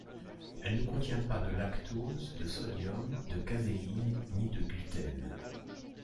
Elle ne contient pas de lactose, de sodium, de caséine ni de gluten.